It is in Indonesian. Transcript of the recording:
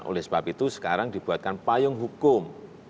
oleh sebab itu sekarang dibuatkan payung hukum